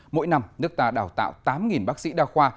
mỗi năm nước ta đào tạo tám bác sĩ đa khoa